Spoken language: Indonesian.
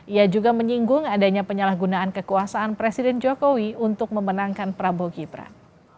ia juga menyinggung adanya penyalahgunaan kekuasaan presiden jokowi untuk memenangkan prabowo gibran